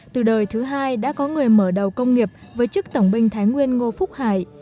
từ đời thứ hai đã có người mở đầu công nghiệp với chức tổng binh thái nguyên ngô phúc hải